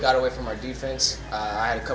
kita telah membalas dari pengecekan